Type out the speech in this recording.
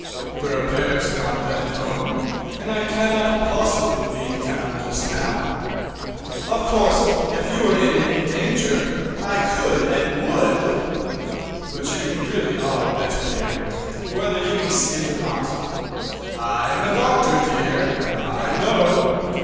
"The repairs are not done at home, and I cannot possibly leave town just now. Of course if you were in any danger I could and would, but you really are better, dear, whether you can see it or not. I am a doctor, dear, and I know.